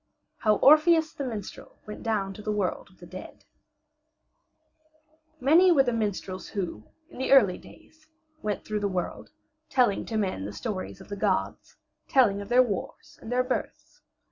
HOW ORPHEUS THE MINSTREL WENT DOWN TO THE WORLD OF THE DEAD Many were the minstrels who, in the early days, went through the world, telling to men the stories of the gods, telling of their wars and their births.